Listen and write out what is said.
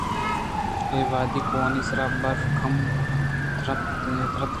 اے وہدی کوہانی سرا برف کم ترّیتگ اَت